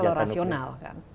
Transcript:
itu kan kalau rasional kan